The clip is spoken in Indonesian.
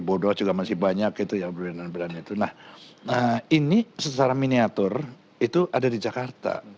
bodoh juga masih banyak itu yang benar benar itu nah nah ini secara miniatur itu ada di jakarta